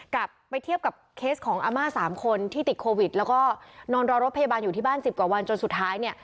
กลับไปเทียบกับเคสของอาม่า๓คนที่ติดโควิดแล้วก็นอนรอรถพยาบาลอยู่ที่บ้าน๑๐กว่าวันจนสุดท้ายเนี่ย